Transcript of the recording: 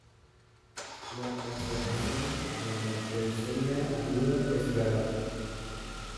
La transformación a una leucemia aguda es rara.